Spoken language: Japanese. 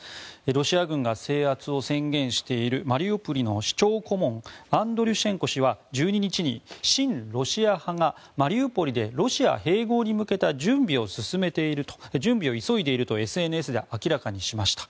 ロシア軍が制圧を宣言しているマリウポリの市長顧問アンドリュシェンコ氏は１２日に親ロシア派がマリウポリでロシア併合に向けた準備を急いでいるとＳＮＳで明らかにしました。